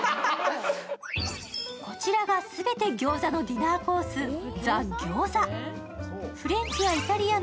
こちらが全てギョーザのディナーコース、ＴＨＥ餃子。